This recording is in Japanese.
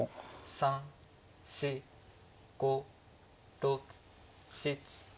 ３４５６７８。